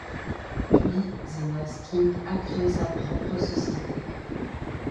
Puis Zenas King a créé sa propre société.